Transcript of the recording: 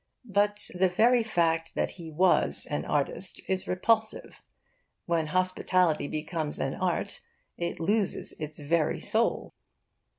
But the very fact that he was an artist is repulsive. When hospitality becomes an art it loses its very soul.